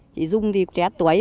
chị dung thì trẻ tuổi